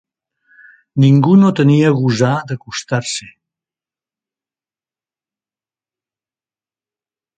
Ningú no tenia gosar d'acostar-s'hi.